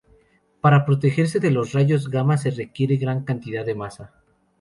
Para protegerse de los rayos gamma se requiere gran cantidad de masa.